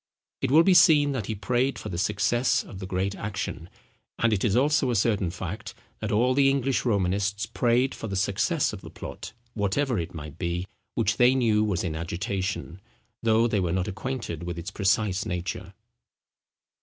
It will be seen that he prayed for the success of the great action; and it is also a certain fact, that all the English Romanists prayed for the success of the plot, whatever it might be, which they knew was in agitation, though they were not acquainted with its precise nature.